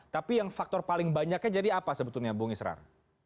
tapi yang faktor paling banyaknya jadi apa sebetulnya bung israr